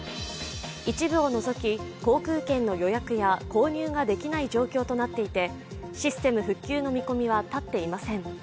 一部を除き、航空券の予約や購入できない状況となっていて、システム復旧の見込みは立っていません。